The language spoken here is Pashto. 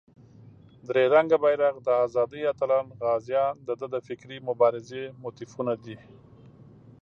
درې رنګه بېرغ، د آزادۍ اتلان، غازیان دده د فکري مبارزې موتیفونه دي.